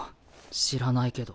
知らないけど。